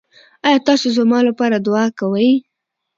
ایا تاسو زما لپاره دعا کوئ؟